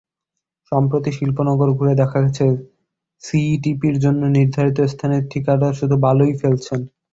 সম্প্রতি শিল্পনগর ঘুরে দেখা গেছে, সিইটিপির জন্য নির্ধারিত স্থানে ঠিকাদার শুধু বালুই ফেলেছেন।